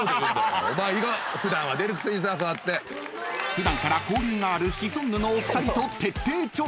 ［普段から交流があるシソンヌのお二人と徹底調査］